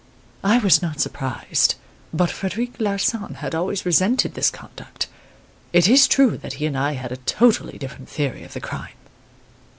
I was not surprised; but Frederic Larsan had always resented this conduct. It is true that he and I had a totally different theory of the crime.